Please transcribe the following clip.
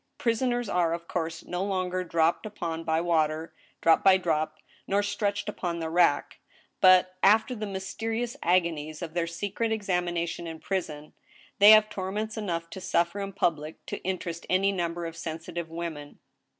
Prisoners are, of course, no longer dropped upon by water, drop by drop, nor stretched upon the rack ; but, after the mysterious agonies of their secret examination in prison, they have torments enough to suffer in public to interest any number of sensitive women.